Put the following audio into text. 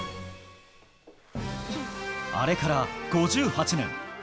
あれから５８年。